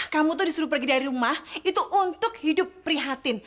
kamu tuh disuruh pergi dari rumah itu untuk hidup prihatin